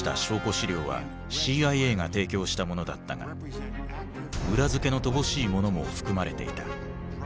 資料はＣＩＡが提供したものだったが裏付けの乏しいものも含まれていた。